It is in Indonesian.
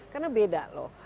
karena beda loh